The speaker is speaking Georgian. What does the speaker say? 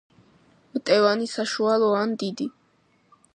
მტევანი საშუალო ან დიდი.